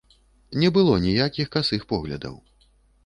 Не было ніякіх касых поглядаў.